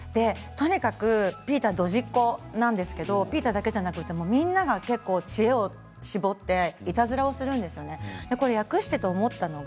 とにかくピーターはドジっこなんですけどピーターだけではなくてみんなが結構知恵を絞っていたずらするんですよね。